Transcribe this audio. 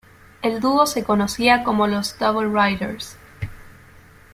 El dúo se conocía como los Double Riders.